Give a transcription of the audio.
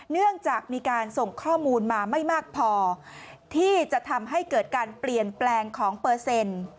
เนื่องจากมีการส่งข้อมูลมาไม่มากพอที่จะทำให้เกิดการเปลี่ยนแปลงของเปอร์เซ็นต์